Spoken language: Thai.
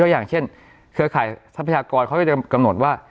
อย่างเช่นเครือข่ายทรัพยากรเขาจะกำหนดว่า